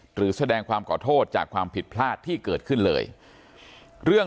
หรือแสดงความขอโทษจากความผิดพลาดที่เกิดขึ้นเลยเรื่อง